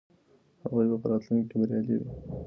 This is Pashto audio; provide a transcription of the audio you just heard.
هغوی به په راتلونکي کې بریالي وي.